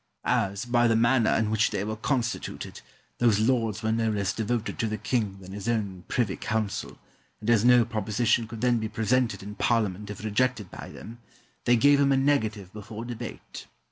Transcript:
As, by the manner in which they were constituted, those lords were no less devoted to the king than his own privy council, and as no proposition could then be presented in Parliament if rejected by them, they gave him a negative before debate.